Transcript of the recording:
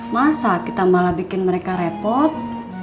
masa kita malah bikin mereka repot